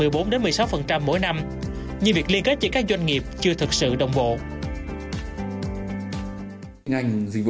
nhưng việc liên kết giữa các doanh nghiệp chưa thực sự đồng bộ